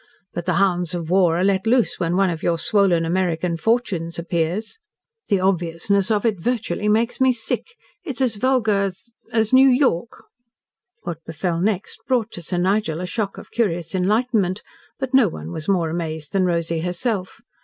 But the hounds of war are let loose, when one of your swollen American fortunes appears. The obviousness of it 'virtuously' makes me sick. It's as vulgar as New York." What befel next brought to Sir Nigel a shock of curious enlightenment, but no one was more amazed than Rosy herself.